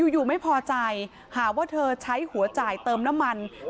อยู่ไม่พอใจหาว่าเธอใช้หัวจ่ายเติมน้ำมัน